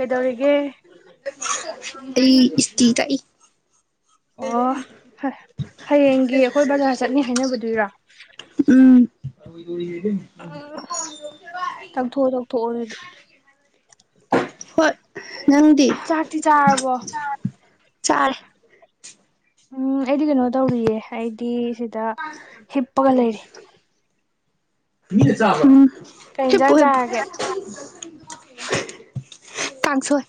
ꯀꯩꯗꯧꯔꯤꯒꯦ ꯑꯩ ꯏꯁꯇꯤ ꯇ ꯑꯣ ꯍꯌꯦꯡꯒꯤ ꯑꯩꯈꯣꯏ ꯕꯖꯥꯔ ꯆꯠꯅꯤ ꯍꯥꯏꯅꯕꯗꯨꯔꯥ ꯎꯝ ꯇꯛꯊꯣꯛꯑꯣ ꯇꯛꯊꯣꯛꯑꯣ ꯑꯗꯨꯗꯤ ꯍꯣꯏ ꯅꯪꯗꯤ ꯆꯥꯛꯇꯤ ꯆꯥꯔꯕꯣ ꯆꯔꯦ ꯎꯝ ꯑꯩꯗꯤ ꯀꯩꯅꯣ ꯇꯧꯔꯤꯌꯦ ꯑꯩꯗꯤ ꯁꯤꯗ ꯍꯤꯞꯄꯒ ꯂꯩꯔꯤ ꯎꯝ ꯀꯩ ꯍꯤꯞꯄꯨ ꯌꯦꯟꯖꯥꯡ ꯍꯤꯞꯄꯨ ꯆꯥꯔꯒꯦ ꯀꯥꯡꯁꯣꯏ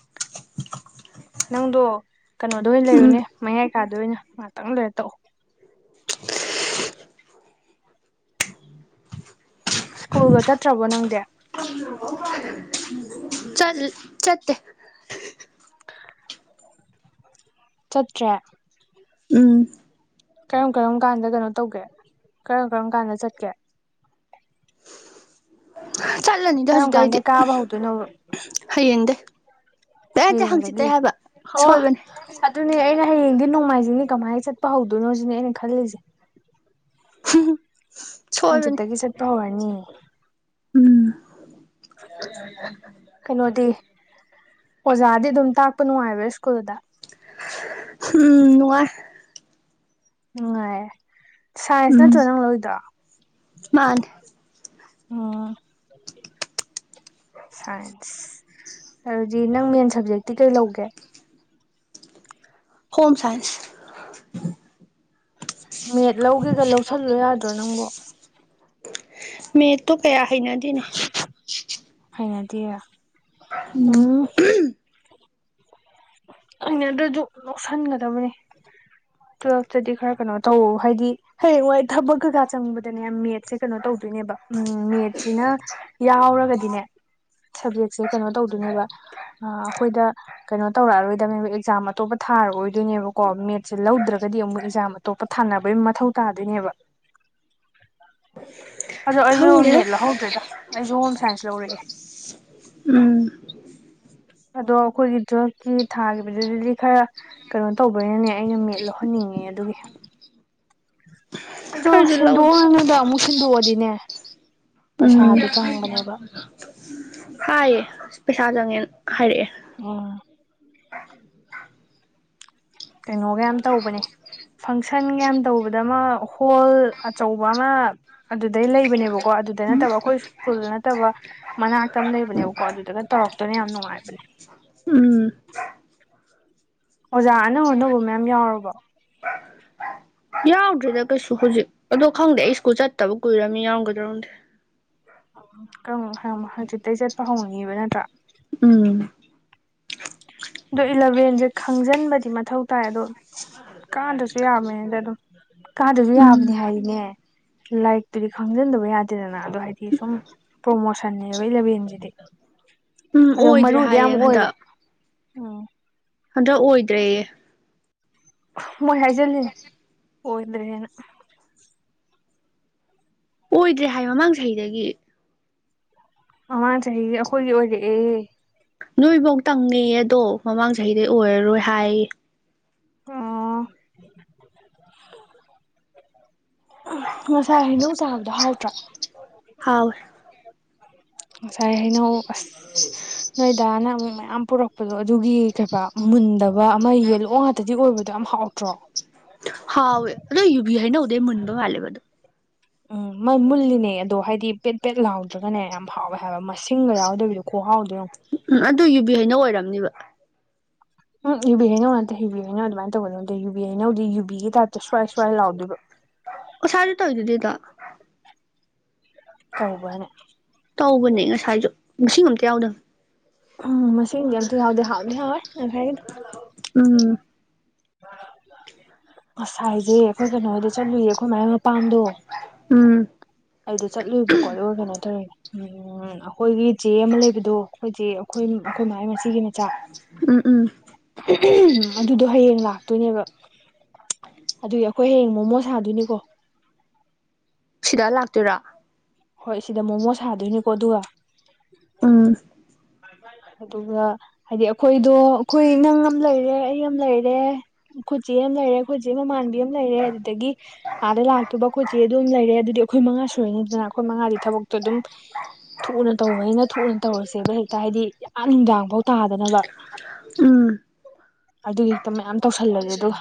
ꯅꯪꯗꯣ ꯀꯩꯅꯣꯗ ꯑꯣꯏꯅ ꯎꯝ ꯂꯩꯔꯨꯅꯦ ꯃꯌꯥꯏ ꯀꯥꯗ ꯑꯣꯏꯅ ꯉꯥꯛꯇꯪ ꯂꯣꯏꯔ ꯇꯛꯎ [unintelligible] ꯁ꯭ꯀꯨꯜꯒ ꯆꯠꯇ꯭ꯔꯕꯣ ꯅꯪꯗꯤ ꯆꯠ ꯆꯠꯇꯦ ꯆꯠꯇ꯭ꯔꯦ ꯎꯝ ꯀꯔꯝ ꯀꯔꯝ ꯀꯥꯟꯗ ꯀꯩꯅꯣ ꯇꯧꯒꯦ ꯀꯔꯝ ꯀꯔꯝ ꯀꯥꯟꯗ ꯆꯠꯀꯦ ꯆꯠꯂꯅꯤꯗ ꯀꯔꯥꯝ ꯍꯧꯖꯤꯛꯇꯩ ꯑꯩꯗꯤ ꯀꯟꯗꯩꯩ ꯀꯥꯕꯥ ꯍꯧꯗꯨꯅꯣꯕꯥ ꯍꯌꯦꯡꯗꯩ ꯑꯦ ꯅꯠꯇꯦ ꯍꯌꯦꯗꯤ ꯍꯪꯆꯤꯠꯇꯩ ꯍꯥꯏꯕ ꯍ ꯁꯣꯏꯕꯅꯦ ꯑꯗꯨꯅꯦ ꯑꯩꯅ ꯍꯌꯦꯡꯗꯤ ꯅꯣꯡꯃꯥꯏꯖꯤꯡꯅꯤ ꯀꯃꯥꯏꯅ ꯆꯠꯄ ꯍꯧꯗꯣꯏꯅꯣ ꯁꯤꯅꯦ ꯑꯩꯅ ꯈꯜꯂꯤꯁꯦ ꯍꯨꯝ ꯍꯨꯃ ꯍꯪ ꯆꯤꯠꯇꯒꯤ ꯆꯠꯄ ꯍꯧꯔꯅꯤꯌꯦ ꯎꯝ ꯀꯩꯅꯣꯗꯤ ꯑꯣꯖꯥꯗꯤ ꯑꯗꯨꯝ ꯇꯥꯛꯄ ꯅꯨꯡꯉꯥꯏꯕꯥ ꯁ꯭ꯀꯨꯜꯗ ꯎꯝ ꯅꯉꯥꯏ ꯅꯨꯡꯉꯥꯏꯌꯦ ꯁꯥꯏꯟꯁ ꯎꯝ ꯅꯠꯇ꯭ꯔꯣ ꯅꯪ ꯂꯧꯗ꯭ꯔ ꯃꯥꯅꯦ ꯑꯣ ꯁꯥꯏꯟꯁ ꯑꯗꯨꯗꯤ ꯅꯪ ꯃꯦꯟ ꯁꯕꯖꯦꯛꯇꯤ ꯀꯩ ꯂꯧꯒꯦ ꯍꯣꯝ ꯁꯥꯏꯟꯁ ꯃꯦꯠ ꯂꯧꯒꯦꯒ ꯂꯧꯁꯜꯂꯣ ꯌꯥꯗ꯭ꯔꯣ ꯅꯪꯕꯣ ꯃꯦꯠꯇꯣ ꯀꯌꯥ ꯍꯩꯅꯥꯗꯤꯅꯦ ꯍꯥꯏꯅꯗꯤꯔ ꯎꯝ ꯑꯩꯅ ꯑꯗꯨꯖꯨ ꯂꯧꯁꯟꯒꯗꯕꯅꯦ ꯇꯨꯋꯦꯜꯐꯇꯗꯤ ꯈꯔ ꯀꯩꯅꯣ ꯇꯧ ꯍꯥꯏꯗꯤ ꯍꯌꯦꯡꯋꯥꯏ ꯊꯕꯛ ꯀꯩꯀꯥ ꯆꯪꯕꯗꯅꯅꯦ ꯃꯦꯠ ꯁꯦ ꯀꯩꯅꯣ ꯇꯧꯗꯣꯏꯅꯦꯕ ꯎꯝ ꯃꯦꯠꯁꯤꯅ ꯌꯥꯎꯔꯒꯗꯤꯅꯦ ꯁꯕꯖꯦꯛꯁꯦ ꯀꯩꯅꯣ ꯇꯧꯗꯣꯏꯅꯦꯕ ꯑ ꯑꯩꯈꯣꯏꯗ ꯀꯩꯅꯣ ꯇꯧꯔꯛꯑꯔꯣꯏꯗꯕꯅꯦꯕ ꯑꯦꯛꯖꯥꯝ ꯑꯇꯣꯞꯄ ꯊꯥꯔꯛꯑꯣꯏꯗꯣꯏꯅꯦꯕꯀꯣ ꯃꯦꯠꯁꯦ ꯂꯧꯗ꯭ꯔꯒꯗꯤ ꯑꯃꯨꯛ ꯑꯦꯛꯖꯥꯝ ꯑꯇꯣꯞꯄ ꯊꯥꯅꯕꯩ ꯃꯊꯧ ꯇꯥꯗꯣꯏꯅꯦꯕ ꯑꯗꯣ ꯑꯩꯖꯨ ꯈꯪꯗꯦꯗ ꯃꯦꯠ ꯂꯧꯍꯧꯗ꯭ꯔꯦꯗ ꯑꯩꯖꯨ ꯍꯣꯝ ꯁꯥꯏꯟꯁ ꯂꯧꯔꯛꯑꯦ ꯎꯝ ꯑꯗꯣ ꯑꯩꯈꯣꯏꯒꯤ ꯇꯨꯋꯦꯜꯐꯀꯤ ꯊꯥꯒꯤꯕꯗꯨꯗꯨꯗꯤ ꯈꯔ ꯀꯩꯅꯣ ꯇꯧꯕꯅꯅꯦ ꯑꯩꯅ ꯃꯦꯠ ꯂꯧꯍꯟꯅꯤꯡꯉꯦ ꯑꯗꯨꯒꯤ ꯑꯗꯣ ꯑꯩꯁꯨ ꯁꯤꯟꯗꯣꯛ ꯂꯧꯗꯦ ꯑꯔꯨꯅꯨꯗ ꯑꯃꯨꯛ ꯁꯤꯟꯗꯣꯛꯑꯗꯤꯅꯦ ꯎꯝ ꯄꯩꯁꯥꯗꯣ ꯆꯪꯕꯅꯦꯕ ꯍꯥꯏꯌꯦ ꯄꯩꯁꯥ ꯆꯪꯉꯛꯑꯦꯅ ꯍꯥꯏꯔꯛꯑꯦ ꯑꯣ ꯀꯩꯅꯣꯒ ꯌꯥꯝ ꯇꯧꯕꯅꯦ ꯐꯪꯁꯟꯒ ꯌꯥꯝ ꯇꯧꯕꯗ ꯑꯃ ꯍꯣꯜ ꯑꯆꯧꯕ ꯑꯃ ꯑꯗꯨꯗꯩ ꯂꯩꯕꯅꯦꯕꯀꯣ ꯑꯗꯨꯗ ꯅꯠꯇꯕ ꯑꯈꯣꯏ ꯁ꯭ꯀꯨꯜ ꯅꯠꯇꯕ ꯃꯅꯥꯛꯇ ꯑꯃ ꯂꯩꯕꯅꯦꯕꯀꯣ ꯑꯗꯨꯗꯒ ꯇꯧꯔꯛꯇꯣꯏꯅꯦ ꯌꯥꯝ ꯅꯨꯡꯉꯥꯏꯕꯅꯦ ꯎꯝ ꯑꯣꯖꯥ ꯑꯅꯧ ꯑꯅꯧꯕ ꯃꯌꯥꯝ ꯌꯥꯎꯔꯕꯣ ꯌꯥꯎꯗ꯭ꯔꯤꯗ ꯀꯩꯁꯨ ꯍꯧꯖꯤꯛ ꯑꯗꯣ ꯈꯪꯗꯦ ꯑꯩ ꯁ꯭ꯀꯨꯜ ꯆꯠꯇꯕ ꯀꯨꯏꯔꯝꯅꯤꯅ ꯌꯥꯎꯔꯝꯒꯗ꯭ꯔ ꯈꯪꯗꯦ ꯑꯣ ꯀꯔꯝꯕ ꯍꯩꯔꯝꯕ ꯍꯪꯖꯤꯠꯇꯩ ꯆꯠꯄ ꯍꯧꯅꯤꯕ ꯅꯠꯇ꯭ꯔꯥ ꯎꯝ ꯑꯗꯣ ꯏꯜꯂꯚꯦꯟꯖꯦ ꯈꯪꯖꯟꯕꯗꯤ ꯃꯊꯧ ꯇꯥꯏ ꯑꯗꯣ ꯀꯥꯗ꯭ꯔꯁꯨ ꯌꯥꯕꯅꯤꯗ ꯑꯗꯨꯝ ꯀꯥꯗ꯭ꯔꯖꯨ ꯎꯝ ꯌꯥꯕꯅꯦ ꯍꯥꯏꯔꯗꯤꯅꯦ ꯂꯥꯏꯔꯤꯛꯇꯨꯗꯤ ꯈꯪꯖꯟꯗꯕ ꯌꯥ ꯇꯦꯗꯅ ꯑꯗꯣ ꯍꯥꯏꯗꯤ ꯁꯨꯝ ꯄ꯭ꯔꯣꯃꯣꯁꯟꯅꯦꯕ ꯏꯂꯚꯦꯟꯖꯤꯗꯤ ꯎꯝ ꯑꯗꯣ ꯑꯣꯏꯗ꯭ꯔꯦ ꯃꯔꯨꯗꯤ ꯍꯥꯏꯌꯦ ꯌꯥꯝ ꯑꯣꯏꯕ ꯍꯟꯗꯛ ꯎꯝ ꯍꯟꯗꯛ ꯑꯣꯏꯗ꯭ꯔꯦꯌꯦ ꯃꯣꯏ ꯍꯥꯏꯖꯜꯂꯤꯅꯤ ꯑꯣꯏꯗ꯭ꯔꯦꯅ ꯑꯣꯏꯗ꯭ꯔꯦ ꯍꯥꯏ ꯃꯃꯥꯡ ꯆꯍꯤꯗꯒꯤ ꯃꯃꯥꯡ ꯆꯍꯤꯒꯤ ꯑꯈꯣꯏꯒꯤ ꯑꯣꯏꯔꯛꯑꯦ ꯅꯣꯏꯕꯧ ꯇꯪꯅꯦꯌꯦ ꯑꯗꯣ ꯃꯃꯥꯡ ꯆꯍꯤꯗꯩ ꯑꯣꯏꯔꯔꯣꯏ ꯍꯥꯏꯑꯌꯦ ꯑꯣ ꯉꯁꯥꯏ ꯍꯩꯅꯧ ꯆꯥꯕꯗꯣ ꯍꯥꯎꯇ꯭ꯔꯥ ꯍꯥꯎꯋꯦ ꯉꯁꯥꯏ ꯍꯩꯅꯧ ꯑꯁ ꯅꯣꯏꯗꯥꯅ ꯑꯃꯨꯛ ꯃꯌꯥꯝ ꯄꯨꯔꯛ ꯄꯗꯣ ꯑꯗꯨꯒꯤ ꯀꯩꯕ ꯃꯨꯟꯗꯕ ꯑꯃ ꯌꯦꯜꯂꯣ ꯉꯥꯛꯇꯗꯤ ꯑꯣꯏꯕꯗꯣ ꯌꯥꯝ ꯍꯥꯎꯇ꯭ꯔꯣ ꯍꯥꯎꯋꯦ ꯑꯗꯣ ꯌꯨꯕꯤ ꯍꯩꯅꯧꯗꯩ ꯃꯨꯟꯕ ꯃꯥꯜꯂꯦꯕ ꯑꯗꯣ ꯎꯝ ꯃꯩ ꯃꯨꯜꯂꯤꯅꯦ ꯑꯗꯣ ꯍꯥꯏꯗꯤ ꯄꯦꯠ ꯄꯦꯠ ꯂꯥꯎꯗ꯭ꯔꯒꯅꯦ ꯌꯥꯝ ꯍꯥꯎꯋꯦ ꯍꯥꯏꯕ ꯃꯁꯤꯡꯒ ꯌꯥꯎꯗꯕꯤꯗꯣ ꯈꯨꯍꯥꯎꯗꯣ ꯌꯦꯡꯉꯣ ꯎꯝ ꯑꯗꯨ ꯌꯨꯕꯤ ꯍꯩꯅꯧ ꯑꯣꯏꯔꯝꯅꯦꯕ ꯎꯝ ꯌꯨꯕꯤ ꯍꯩꯅꯧ ꯅꯠꯇꯦ ꯌꯨꯕꯤ ꯍꯩꯅꯧꯗꯤ ꯑꯗꯨꯃꯥꯏ ꯇꯧꯒꯗꯧ ꯅꯠꯇꯦ ꯌꯨꯕꯤ ꯍꯩꯅꯧꯗꯤ ꯌꯨꯕꯤꯒꯤ ꯇꯥꯏꯞꯇ ꯁ꯭ꯋꯥꯏ ꯁ꯭ꯋꯥꯏ ꯂꯥꯎꯗꯣꯏꯕ ꯉꯁꯥꯏꯗꯨ ꯇꯧꯏꯗꯨꯗꯤ ꯑꯗꯣ ꯇꯧꯕ꯭ꯔꯅꯦ ꯇꯧꯕꯅꯦ ꯉꯁꯥꯏꯖꯨ ꯉꯁꯤꯡ ꯑꯝꯇ ꯌꯥꯎꯗꯝꯅꯤ ꯎꯝ ꯃꯁꯤꯡꯗꯤ ꯑꯝꯇ ꯌꯥꯎꯗꯦ ꯍꯥꯎꯗꯤ ꯍꯥꯎꯋꯦ ꯉꯁꯥꯏꯒꯤꯗꯨ ꯎꯝ ꯉꯁꯥꯏꯖꯦ ꯑꯩꯈꯣꯏ ꯀꯩꯅꯣ ꯍꯣꯏꯗ ꯆꯠꯂꯨꯏꯌꯦ ꯑꯩꯈꯣꯏ ꯃꯥꯏ ꯃꯄꯥꯝꯗꯣ ꯎꯝ ꯑꯩꯗꯣ ꯆꯠꯂꯨꯏꯕꯀꯣ ꯑꯗꯨꯒ ꯀꯩꯅꯣ ꯇꯧꯔꯤꯅꯦ ꯎꯝ ꯑꯈꯣꯏꯒꯤ ꯆꯦ ꯑꯃ ꯂꯩꯕꯗꯣ ꯑꯈꯣꯏꯆꯦ ꯑꯩꯈꯣꯏꯝ ꯑꯩꯈꯣꯏ ꯃꯥꯒꯤ ꯃꯆꯦꯒꯤ ꯃꯆꯥꯥ ꯎꯝ ꯎꯝ ꯑꯗꯨꯗꯣ ꯍꯌꯦꯡ ꯂꯥꯛꯇꯣꯏꯅꯦꯕ ꯑꯗꯨꯒꯤ ꯑꯈꯣꯏ ꯍꯌꯦꯡ ꯃꯣꯃꯣ ꯁꯥꯗꯣꯏꯅꯤꯀꯣ ꯁꯤꯗ ꯂꯥꯛꯇꯣꯏꯔꯥ ꯍꯣꯏ ꯁꯤꯗ ꯃꯣꯃꯣ ꯁꯥꯗꯣꯏꯅꯤꯀꯣ ꯑꯗꯨꯒ ꯑꯝ ꯑꯗꯨꯒ ꯍꯥꯏꯗꯤ ꯑꯩꯈꯣꯏꯗꯣ ꯑꯩꯈꯣꯏ ꯅꯪ ꯑꯃ ꯂꯩꯔꯦ ꯑꯩ ꯑꯃ ꯂꯩꯔꯦ ꯈꯨꯣꯏꯠꯆꯦ ꯑꯃ ꯂꯩꯔꯦ ꯑꯩꯣꯏꯆꯦ ꯃꯃꯥꯟꯕꯤ ꯑꯃ ꯂꯩꯔꯦ ꯑꯗꯨꯗꯒꯤ ꯑꯥꯗ ꯂꯥꯛꯇꯗꯨ ꯀꯣꯏꯆꯦ ꯑꯗꯨꯝ ꯂꯩꯔꯦ ꯑꯗꯨꯗꯤ ꯑꯩꯈꯣꯏ ꯃꯉꯥ ꯁꯨꯔꯅꯤꯗꯅ ꯑꯩꯈꯣꯏ ꯃꯉꯥꯗꯤ ꯊꯕꯛꯇꯣ ꯑꯗꯨꯝ ꯊꯨꯅ ꯇꯧꯕꯅꯤꯅ ꯊꯨꯅ ꯇꯧꯔꯁꯦꯕ ꯍꯦꯛꯇ ꯍꯥꯏꯗꯤ ꯑꯥ ꯅꯨꯡꯗꯥꯡꯐꯧ ꯇꯥꯗꯅꯕ ꯎꯝ ꯑꯗꯨꯒꯤ ꯍꯦꯛꯇ ꯃꯌꯥꯝ ꯇꯧꯁꯜꯂꯒꯦ ꯑꯗꯨꯒ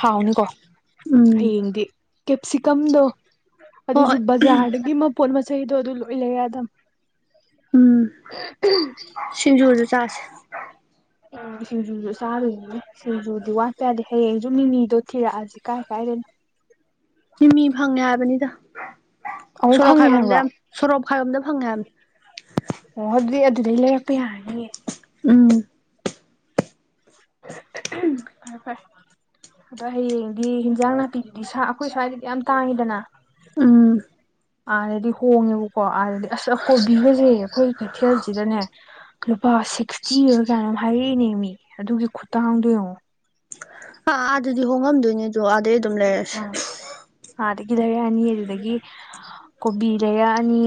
ꯍꯥꯎꯅꯤꯀꯣ ꯎꯝ ꯍꯌꯦꯡꯗꯤ ꯀꯦꯞꯁꯤꯀꯝꯗꯣ ꯑꯗꯨꯁꯨ ꯍꯣꯏ ꯕꯖꯥꯔꯗꯒꯤ ꯃꯄꯣꯠ ꯃꯆꯩꯗꯣ ꯑꯗꯨ ꯂꯣꯏ ꯂꯩꯔꯦ ꯑꯗꯨꯝ ꯎꯝ ꯁꯤꯡꯖꯨꯗ ꯆꯥꯁꯦ ꯎ ꯁꯤꯡꯖꯨ ꯆꯥꯗꯨꯅꯤꯅꯦ ꯁꯤꯖꯗꯤ ꯋꯥꯠꯄ ꯌꯥꯗꯤ ꯍꯌꯦꯡꯁꯨ ꯅꯤꯅꯤꯗꯣ ꯊꯤꯔꯛꯑꯁꯤ ꯀꯥꯏ ꯀꯥꯏꯗꯅꯣ ꯃꯤꯃꯤ ꯐꯪꯉꯦ ꯍꯥꯏꯕꯅꯤꯗ ꯑꯃꯨꯛ ꯁꯣꯔꯣꯛꯞ ꯐꯪꯉꯦ ꯍꯥꯏꯕ꯭ꯔꯣ ꯈꯥꯏꯕꯝꯗ ꯁꯣꯔꯣꯛꯞ ꯈꯥꯏꯕꯝꯗ ꯐꯪꯉꯦ ꯍꯥꯏꯕꯅꯤ ꯑꯣ ꯑꯗꯨꯗꯤ ꯑꯗꯨꯗꯩ ꯂꯩꯔꯛꯄ ꯌꯥꯔꯅꯤꯌꯦ ꯎꯝ ꯐꯔ ꯐꯔ ꯑꯗꯣ ꯍꯌꯦꯡꯗꯤ ꯍꯟꯖꯥꯡ ꯅꯥꯄꯤꯗꯨꯗꯤ ꯁꯥ ꯑꯩꯈꯣꯏ ꯁ꯭ꯋꯥꯏꯗꯗꯤ ꯌꯥꯝ ꯇꯥꯡꯉꯤꯗꯅ ꯎꯝ ꯑꯥꯗꯗꯤ ꯍꯣꯡꯉꯦꯕꯀꯣ ꯑꯥꯗꯗꯤ ꯑꯁ ꯀꯣꯕꯤꯒꯁꯦ ꯑꯩꯈꯣꯏ ꯀꯩꯊꯦꯜꯁꯤꯗꯅꯦ ꯂꯨꯄꯥ ꯁꯤꯛꯁꯇꯤꯔꯥ ꯀꯩꯅꯣꯝꯃꯥ ꯍꯥꯏꯔꯛꯏꯅꯦ ꯃꯤ ꯑꯗꯨꯒꯤ ꯈꯨꯇꯥꯪꯗꯣ ꯌꯦꯡꯉꯣ ꯑ ꯑꯥ ꯑꯗꯨꯗꯤ ꯍꯣꯡꯉꯝꯗꯣꯏꯅꯤꯗꯣ ꯑꯥꯗꯩ ꯑꯗꯨꯝ ꯂꯩꯔꯁꯦ ꯑꯗꯒꯤ ꯂꯩꯔꯛꯑꯅꯤ ꯑꯗꯨꯗꯒꯤ ꯀꯣꯕꯤ ꯂꯩꯔꯛꯑꯅꯤ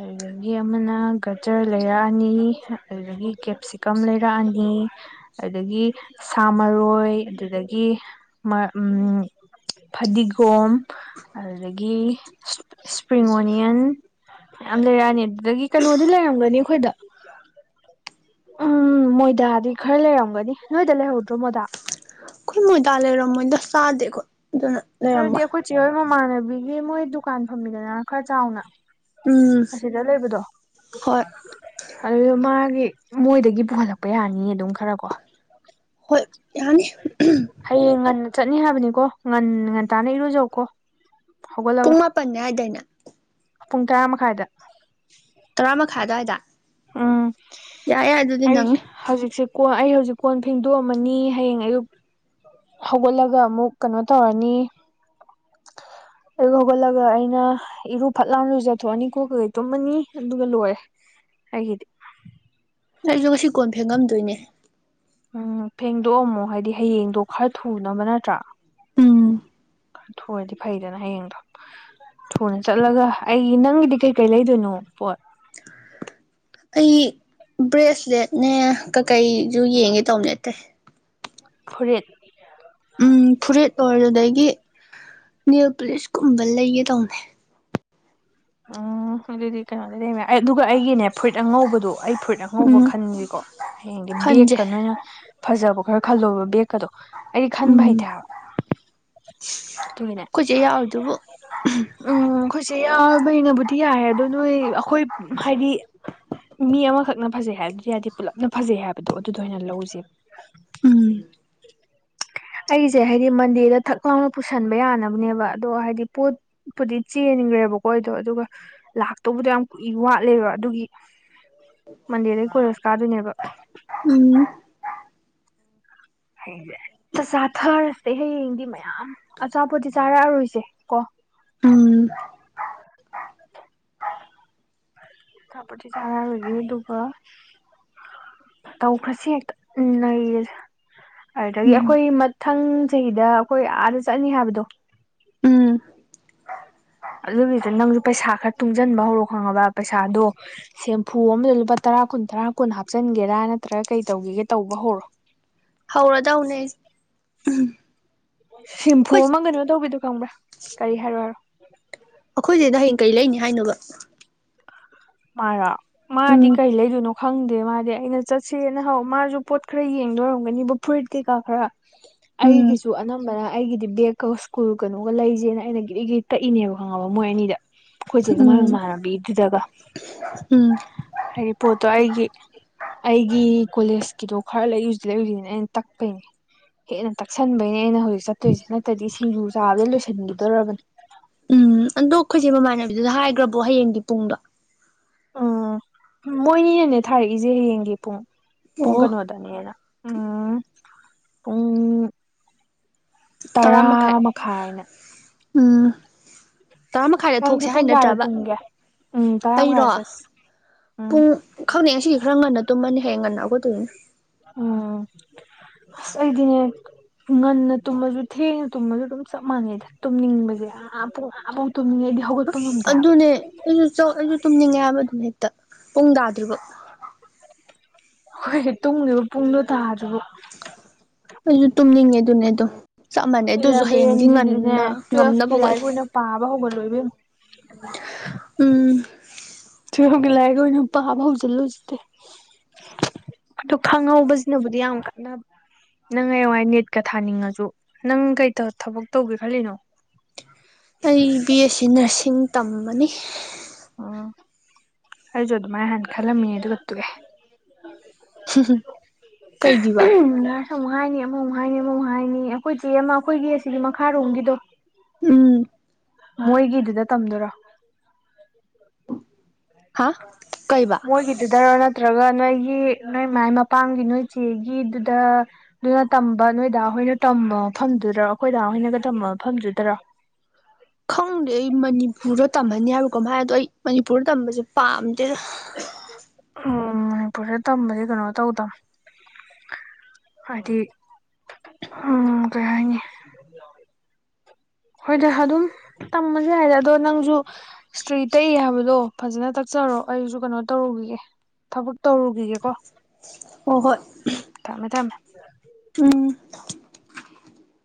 ꯑꯗꯨꯗꯒꯤ ꯑꯃꯅ ꯒꯖꯔ ꯂꯩꯔꯥꯅꯤ ꯑꯗꯨꯗꯒꯤ ꯀꯦꯞ ꯁꯤꯀꯝ ꯂꯩꯔꯛꯑꯅꯤ ꯑꯗꯨꯗꯒꯤ ꯁꯥ ꯃꯔꯣꯏ ꯑꯗꯨꯗꯒꯤ ꯐꯗꯤꯒꯣꯝ ꯑꯗꯨꯗꯒꯤ ꯏꯁꯄ꯭ꯔꯤꯡ ꯑꯣꯅꯤꯌꯟ ꯌꯥꯝ ꯂꯩꯔꯛꯑꯅꯤ ꯑꯗꯨꯗꯒꯤ ꯀꯩꯅꯣꯗꯤ ꯂꯩꯔꯝꯒꯅꯤ ꯑꯩꯈꯣꯏꯗ ꯎꯝ ꯃꯣꯏꯗꯥꯗꯤ ꯈꯔ ꯂꯩꯔꯝꯒꯅꯤ ꯅꯣꯏꯗ ꯂꯩꯍꯧꯗ꯭ꯔꯣ ꯃꯣꯏꯗꯥ ꯃꯣꯏꯗꯥꯂꯔ ꯃꯣꯏꯗ ꯁꯥꯗꯦꯀ ꯑꯗꯨꯅ ꯑꯗꯨꯗꯤ ꯂꯩꯔꯝꯃꯣꯏ ꯑꯩꯈꯣꯏꯆꯦ ꯍꯣꯏ ꯃꯃꯥꯟꯅꯕꯤꯒꯤ ꯃꯣꯏ ꯗꯨꯀꯥꯟ ꯐꯝꯃꯤꯗꯅ ꯈꯔ ꯆꯥꯎꯅ ꯎꯝ ꯑꯁꯤꯗ ꯂꯩꯕꯗꯣ ꯍꯣꯏ ꯑꯗꯨꯗ ꯃꯥꯒꯤ ꯃꯣꯏꯗꯒꯤ ꯄꯨꯍꯜꯂꯛꯄ ꯌꯥꯅꯤꯌꯦ ꯑꯗꯨꯝ ꯈꯔ ꯀꯣ ꯍꯣꯏ ꯌꯥꯅꯤ ꯍꯌꯦꯡ ꯉꯟꯅ ꯆꯠꯅꯤ ꯍꯥꯏꯕꯅꯤꯀꯣ ꯉꯟꯅ ꯉꯟꯇꯥꯥꯅ ꯏꯔꯨꯖꯧꯀꯣ ꯍꯧꯒꯠꯂꯛ ꯄ ꯍꯥꯏꯗꯅ ꯄꯨꯡ ꯇꯔꯥ ꯃꯈꯥꯏꯗ ꯇꯔꯥ ꯃꯈꯥꯏ ꯑꯗꯨꯋꯥꯏꯗ ꯎꯝ ꯌꯥꯏ ꯌꯥꯏ ꯑꯗꯨꯗꯤ ꯑꯩ ꯅꯪꯅꯤ ꯍꯧꯖꯤꯛꯁꯦ ꯀꯣꯟ ꯑꯩ ꯍꯧꯖꯤꯛ ꯀꯣꯟ ꯐꯦꯡꯗꯣꯛꯑꯝꯃꯅꯤ ꯍꯌꯦꯡ ꯑꯌꯨꯛ ꯍꯧꯒꯠꯂꯒ ꯑꯃꯨꯛ ꯀꯩꯅꯣ ꯇꯧꯔꯅꯤ ꯑꯩ ꯍꯧꯒꯠꯂꯒ ꯑꯩꯅ ꯏꯔꯨꯞ ꯐꯠ ꯂꯥ ꯂꯨꯖꯊꯣꯛꯑꯅꯤ ꯀꯣꯛ ꯀꯁꯦ ꯇꯨꯝꯃꯅꯤ ꯑꯗꯨꯒ ꯂꯣꯏꯔꯦ ꯑꯩꯒꯤꯗꯤ ꯑꯩꯗꯣ ꯉꯁꯤ ꯀꯣꯟ ꯐꯦꯡꯉꯝꯗꯣꯏꯅꯦ ꯎꯝ ꯐꯦꯡꯗꯣꯛꯑꯝꯃꯣ ꯍꯥꯏꯗꯤ ꯍꯌꯦꯡꯗꯣ ꯈꯔ ꯊꯨꯅꯕ ꯅꯠꯇ꯭ꯔꯥ ꯎꯝ ꯊꯨꯑꯗꯤ ꯐꯩꯗꯅ ꯍꯌꯦꯡꯗꯣ ꯊꯨꯅ ꯆꯠꯂꯒ ꯑꯩꯒꯤ ꯅꯪꯒꯤꯗꯤ ꯀꯩꯀꯩ ꯂꯩꯗꯣꯏꯅꯣ ꯄꯣꯠ ꯑꯩ ꯕ꯭ꯔꯦꯁꯂꯦꯠꯅꯦ ꯀꯀꯩꯁꯨ ꯌꯦꯡꯒꯦ ꯇꯧꯕ ꯂꯦꯠꯇꯦ ꯐꯨꯔꯤꯔꯤꯠ ꯎꯝ ꯐꯨꯔꯤꯠ ꯑꯣꯔꯣ ꯑꯗꯨꯗꯒꯤ ꯅꯤꯜ ꯄꯨꯂꯤꯁꯀꯨꯝꯕ ꯂꯩꯒꯦ ꯇꯧꯅꯦ ꯎꯝ ꯑꯗꯨꯗꯤ ꯀꯩꯅꯣꯗꯤ ꯂꯦꯝꯃꯦ ꯑꯩ ꯑꯗꯨꯒ ꯑꯩꯒꯤꯅꯦ ꯐꯨꯔꯤꯠ ꯑꯉꯧꯕꯗꯣ ꯑꯩ ꯐꯨꯔꯤꯠ ꯑꯉꯧꯕ ꯎꯝ ꯈꯟꯖꯤꯀꯣ ꯍꯌꯦꯡꯗꯤ ꯈꯟꯖꯦ ꯕꯦꯒꯀ ꯅꯣꯏꯅ ꯐꯖꯕ ꯈꯔ ꯈꯜꯂꯣꯕ ꯕꯦꯒ ꯀꯗꯣ ꯑꯩꯗꯤ ꯈꯟꯕ ꯍꯩꯇꯦꯕ ꯑꯩꯈꯣꯏꯆꯦ ꯌꯥꯎꯔꯤꯗꯨꯕꯨ ꯎꯝ ꯑꯩꯈꯣꯏꯆꯦ ꯌꯦꯎꯕꯩꯅꯕꯨꯗꯤ ꯌꯥꯔꯦ ꯑꯗꯣ ꯅꯣꯏ ꯑꯩꯈꯣꯏ ꯍꯥꯏꯗꯤ ꯃꯤ ꯑꯃꯈꯛꯅ ꯐꯖꯩ ꯍꯥꯏꯕꯗꯤ ꯌꯥꯗꯤ ꯄꯨꯜꯂꯞꯅ ꯐꯖꯩ ꯍꯥꯏꯕꯗꯣ ꯑꯗꯨꯗꯣ ꯑꯣꯏꯅ ꯂꯧꯖꯦ ꯎꯝ ꯑꯩꯒꯤꯖꯦ ꯍꯥꯏꯗꯤ ꯃꯟꯗꯦꯗ ꯊꯛ ꯂꯥꯎꯅ ꯄꯨꯁꯟꯕ ꯌꯥꯅꯕꯅꯦꯕ ꯑꯗꯣ ꯍꯥꯏꯗꯤ ꯄꯣꯠ ꯄꯨꯨꯗꯤ ꯆꯦꯟꯒ꯭ꯔꯦꯕꯀꯣ ꯑꯩꯗꯣ ꯑꯗꯨꯒ ꯂꯥꯛꯇꯧꯕꯗꯣ ꯌꯥꯝ ꯀꯨꯏ ꯋꯥꯠꯂꯦꯕ ꯑꯗꯨꯒꯤ ꯃꯟꯗꯦꯗꯩ ꯀꯣꯂꯦꯖ ꯀꯥꯗꯣꯏꯅꯦꯕ ꯎꯝ ꯍꯌꯦꯡ ꯆꯥꯊꯔꯁꯦ ꯍꯌꯦꯡꯗꯤ ꯃꯌꯥꯝ ꯑꯆꯥꯄꯣꯠꯇꯤ ꯆꯥꯔꯛꯑꯔꯣꯏꯁꯦ ꯀꯣ ꯎꯝ ꯑꯆꯥꯄꯣꯠꯇꯤ ꯆꯥꯔꯔꯣꯏꯒꯦ ꯑꯗꯨꯒ ꯇꯧꯈ꯭ꯔꯁꯤ ꯍꯦꯛꯇ ꯅꯩꯔꯁꯦ ꯑꯗꯨꯗꯒꯤ ꯎꯝ ꯑꯩꯈꯣꯏ ꯃꯊꯪ ꯆꯍꯤꯗ ꯑꯩꯈꯣꯏ ꯑꯥꯗ ꯆꯠꯅꯤ ꯍꯥꯏꯕꯗꯣ ꯎꯝ ꯑꯗꯨꯒꯤꯗꯨ ꯅꯪꯖꯨ ꯄꯩꯁꯥ ꯈꯔ ꯇꯨꯡꯖꯝꯟꯕ ꯍꯧꯔꯣ ꯈꯪꯉꯕ ꯄꯩꯁꯥꯗꯣ ꯁꯦꯝꯐꯨ ꯑꯃꯗ ꯂꯨꯄꯥ ꯇꯔꯥ ꯀꯨꯟ ꯇꯔꯥ ꯀꯨꯟ ꯍꯥꯞꯆꯤꯟꯒꯦꯔꯥ ꯅꯠꯇ꯭ꯔꯒ ꯀꯩ ꯇꯧꯒꯦꯒꯦ ꯇꯧꯕ ꯍꯧꯔꯣ ꯍꯧꯔꯗꯧꯅꯦ ꯁꯤꯝꯐꯨ ꯑꯩꯈꯣꯏ ꯑꯃ ꯀꯩꯅꯣ ꯇꯧꯕꯤꯗꯨꯣ ꯈꯪꯕ꯭ꯔꯥ ꯀꯔꯤ ꯍꯥꯏꯔꯣꯔꯣ ꯑꯩꯈꯣꯏꯆꯦꯗꯣ ꯍꯌꯦꯡ ꯀꯔꯤ ꯂꯩꯅꯤ ꯍꯥꯏꯅꯣꯕ ꯃꯥꯔꯣ ꯃꯥꯗꯤ ꯎꯝ ꯀꯩ ꯂꯩꯗꯣꯏꯅꯣ ꯈꯪꯗꯦ ꯃꯥꯗꯤ ꯑꯩꯅ ꯆꯠꯁꯦꯅ ꯍꯧ ꯃꯥꯖꯨ ꯄꯣꯠ ꯈꯔ ꯌꯦꯡꯗꯣꯏꯔꯝꯒꯅꯤꯕ ꯐꯨꯔꯤꯠ ꯀꯩꯀꯥ ꯈꯔ [inaudible] ꯑꯩꯒꯤ ꯑꯗꯨ ꯑꯅꯝꯕꯅ ꯑꯩꯒꯤꯗꯤ ꯕꯦꯒꯀ ꯁ꯭ꯀꯨꯜ ꯀꯩꯅꯣꯒ ꯂꯩꯖꯦꯅ ꯑꯩꯅ ꯒꯔꯤ ꯒꯔꯤ ꯇꯛꯏꯅꯦꯕ ꯈꯪꯉꯕ ꯃꯣꯏ ꯑꯅꯤꯗ ꯑꯩꯈꯣꯏꯆꯦꯒ ꯃꯥꯒꯤ ꯎꯝ ꯃꯃꯥꯟꯅꯕꯤꯗꯨꯗꯒ ꯎꯝ ꯍꯥꯏꯗꯤ ꯄꯣꯠꯇꯣ ꯑꯩꯒꯤ ꯑꯩꯒꯤ ꯀꯣꯂꯦꯖꯀꯤꯗꯣ ꯈꯔ ꯂꯩꯔꯨꯁꯤ ꯂꯩꯔꯨꯁꯤꯅ ꯑꯩꯅ ꯇꯛꯄꯩꯅꯦ ꯍꯦꯟꯅ ꯇꯛꯁꯟꯕꯩꯅꯦ ꯑꯩꯅ ꯍꯧꯖꯤꯛ ꯆꯠꯇꯣꯏꯁꯤ ꯅꯠꯇ꯭ꯔꯗꯤ ꯁꯤꯡꯖꯨ ꯆꯥꯕꯗ ꯂꯣꯏꯁꯤꯟꯒꯤꯗꯣꯔꯕꯅꯦ ꯎꯝ ꯑꯗꯣ ꯑꯩꯈꯣꯏꯆꯦ ꯃꯃꯥꯟꯅꯕꯤꯗꯨꯗ ꯍꯥꯏꯒ꯭ꯔꯕꯣ ꯍꯌꯦꯡꯒꯤ ꯄꯨꯡꯗꯣ ꯎꯝ ꯃꯣꯏꯅꯤꯅꯦꯅꯦ ꯊꯥꯔꯛꯏꯁꯦ ꯍꯌꯦꯡꯒꯤ ꯄꯨꯡ ꯄꯨꯡ ꯑꯣ ꯀꯩꯅꯣꯗ ꯇꯥꯅꯦꯅ ꯎꯝ ꯄꯨꯡ ꯇꯔꯥ ꯃꯈꯥꯏ ꯎꯝ ꯇꯔꯥꯃꯈꯥꯏꯗ ꯅꯪꯗꯤ ꯊꯣꯛꯁꯦ ꯍꯥꯏ ꯄꯨꯡ ꯀꯌꯥꯗ ꯅꯠꯇ꯭ꯔꯕ ꯇꯨꯝꯒꯦ ꯎꯝ ꯇꯔꯥ ꯑꯩꯔꯣ ꯃꯈꯥꯏꯗ ꯆꯠꯁꯤ ꯎꯝ ꯄꯨꯡ ꯈꯪꯗꯦ ꯉꯁꯤꯗꯤ ꯈꯔ ꯉꯟꯅ ꯇꯨꯝꯃꯅꯤ ꯍꯌꯦꯡ ꯉꯟꯅ ꯍꯧꯒꯠꯇꯣꯏꯅꯤꯅꯥ ꯎꯝ ꯑꯁ ꯑꯩꯗꯤꯅꯦ ꯉꯟꯅ ꯇꯨꯝꯃꯖꯨ ꯊꯦꯡꯅ ꯇꯨꯝꯃꯖꯨ ꯑꯗꯨꯝ ꯆꯞ ꯃꯥꯟꯅꯩꯗ ꯇꯨꯝꯅꯤꯡꯕꯖꯦ ꯑꯥ ꯕꯧ ꯑꯥꯕꯧ ꯇꯨꯝꯅꯤꯡꯉꯦ ꯑꯩꯗꯤ ꯍꯧꯒꯠꯄ ꯉꯝꯗꯦ ꯍꯥꯏꯕ ꯑꯗꯨꯅꯦ ꯑꯩꯖꯨ ꯑꯩꯖꯨ ꯇꯨꯝꯅꯤꯡꯉꯦ ꯍꯥꯏꯕ ꯑꯗꯨꯝ ꯍꯦꯛꯇ ꯄꯨꯡ ꯇꯥꯗ꯭ꯔꯤꯕꯨꯛ ꯍꯣꯏ ꯇꯨꯝꯒꯤꯕ ꯄꯨꯡꯗꯣ ꯇꯥꯗ꯭ꯔꯤꯕꯨꯛ ꯑꯩꯖꯨ ꯇꯨꯝꯅꯤꯡꯉꯦ ꯑꯗꯨꯅꯦ ꯑꯗꯣ ꯆꯞ ꯃꯥꯟꯅꯩ ꯑꯗꯨꯖꯨ ꯍꯌꯦꯡꯗꯤ ꯏꯂꯚꯦꯟꯁꯤꯗꯤꯅꯦ ꯉꯟꯅ ꯉꯝꯅꯕ ꯇꯨꯋꯦꯜꯐꯀꯤ ꯍꯧꯒꯠꯂꯦ ꯂꯥꯏꯔꯤꯛ ꯑꯣꯏꯅ ꯄꯥꯕ ꯍꯧꯒꯠꯂꯣ ꯏꯕꯦꯝꯃꯥ ꯎꯝ ꯂꯥꯏꯔꯤꯛ ꯑꯣꯏꯅ ꯄꯥꯕ ꯍꯧꯖꯤꯜꯂꯨ ꯍꯧꯖꯤꯛꯇꯤ ꯑꯗꯨ ꯈꯪꯍꯧꯕꯖꯤꯅꯕꯨꯗꯤ ꯌꯥꯝ ꯀꯥꯟꯅꯕ ꯅꯪ ꯍꯌꯦꯡꯋꯥꯏ ꯅꯦꯠꯀꯥ ꯊꯥꯅꯤꯡꯉꯖꯨ ꯅꯪ ꯀꯩ ꯊꯕꯛ ꯇꯧꯒꯦ ꯈꯜꯂꯤꯅꯣ ꯑꯩ ꯕꯤ ꯑꯦ ꯁꯤ ꯅꯔꯁꯤꯡ ꯇꯝꯃꯥꯅꯤ꯫ ꯑꯣ ꯑꯩꯖꯨ ꯑꯗꯨꯃꯥꯏ ꯍꯥꯟꯅ ꯈꯜꯂꯝꯃꯤ ꯑꯗꯨꯒ ꯇꯣꯛ ꯑꯦ ꯫ ꯀꯩꯒꯤꯕ? ꯅꯔꯁ ꯑꯃꯨꯛ ꯍꯥꯏꯅꯤ ꯑꯃꯃꯨꯛ ꯍꯥꯏꯅꯤ ꯑꯃꯃꯨꯛ ꯍꯥꯏꯅꯤ ꯑꯩꯈꯣꯏ ꯆꯦ ꯑꯃ ꯑꯩꯈꯣꯏꯒꯤ ꯑꯁꯤꯒꯤ ꯃꯈꯥꯔꯣꯝꯒꯤꯗꯣ ꯎꯝ ꯃꯣꯏꯒꯤꯗꯨꯗ ꯇꯝꯗꯣꯏꯔꯥ? ꯍꯥ ꯀꯩꯕꯥ? ꯗꯔꯣ ꯅꯠꯇ꯭ꯔꯒ ꯅꯣꯏꯒꯤ ꯅꯣꯏ ꯃꯥꯏ ꯃꯄꯥꯝꯒꯤ ꯅꯣꯏ ꯆꯦꯒꯤꯗꯨꯗ ꯅꯣꯏꯅ ꯇꯝꯕ ꯅꯣꯏꯗꯥ ꯍꯣꯏꯅ ꯇꯝꯕ ꯃꯐꯝꯗꯨꯗꯔ ꯑꯩꯈꯣꯏꯗꯥ ꯍꯣꯏꯅꯒ ꯇꯝꯝꯕ ꯃꯐꯝꯗꯨꯗꯔꯣ? ꯈꯪꯗꯦ ꯑꯩ ꯃꯅꯤꯄꯨꯔꯗ ꯇꯝꯍꯟꯅꯤ ꯍꯥꯏꯕ꯭ꯔ ꯀꯩꯅꯣꯝ ꯍꯥꯏ ꯑꯗꯣ ꯑꯩ ꯃꯅꯤꯄꯨꯔꯗ ꯇꯝꯕꯁꯦ ꯄꯥꯝꯗꯦ꯫ ꯎꯝ ꯃꯅꯤꯄꯨꯔꯗ ꯇꯝꯕꯖꯤ ꯀꯩꯅꯣ ꯇꯧꯗꯝ ꯍꯥꯏꯗꯤ ꯎꯝ ꯀꯩ ꯍꯥꯏꯅꯤ [unintelligible] ꯍꯣꯏꯗ ꯑꯗꯨꯝ ꯇꯝꯃꯖꯨ ꯌꯥꯏꯗ ꯑꯗꯣ ꯅꯪꯖꯨ ꯏꯁꯇ꯭ꯔꯤ ꯇꯛꯏ ꯍꯥꯏꯕꯗꯣ ꯐꯖꯅ ꯇꯛꯆꯔꯣ ꯑꯩꯖꯨ ꯀꯩꯅꯣ ꯇꯧꯔꯨꯒꯤꯒꯦ꯫ ꯊꯕꯛ ꯇꯧꯔꯨꯒꯤꯒꯦꯀꯣ꯫ ꯍꯣꯏ ꯍꯣꯏ ꯊꯝꯃꯦ ꯊꯝꯃꯦ ꯎꯝ